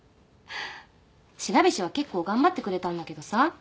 白菱は結構頑張ってくれたんだけどさ